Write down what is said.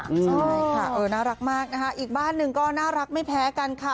ใช่ค่ะเออน่ารักมากนะคะอีกบ้านหนึ่งก็น่ารักไม่แพ้กันค่ะ